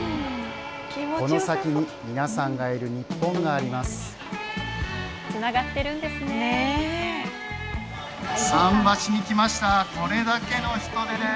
この先に、皆さんがいる日本があります。